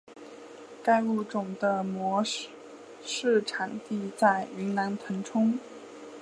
该物种的模式产地在云南腾冲。